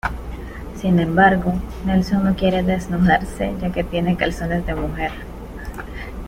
Sin embargo, Nelson no quiere desnudarse, ya que tiene calzones de mujer.